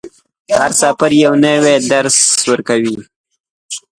هر سفر یو نوی درس درکوي.